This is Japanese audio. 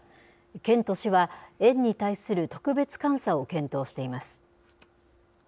県と市は、園に対する特別監査を検討しています。